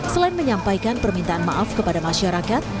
selain menyampaikan permintaan maaf kepada masyarakat